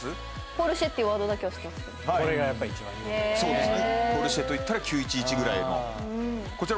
ポルシェといったら９１１ぐらいのこちら